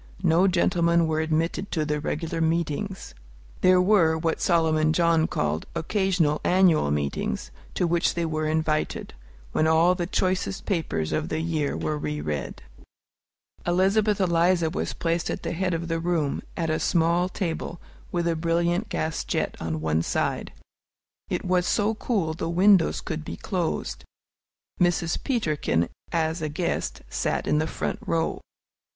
No gentlemen were admitted to the regular meetings. There were what Solomon John called "occasional annual meetings," to which they were invited, when all the choicest papers of the year were re read. Elizabeth Eliza was placed at the head of the room, at a small table, with a brilliant gas jet on one side. It was so cool the windows could be closed. Mrs. Peterkin, as a guest, sat in the front row.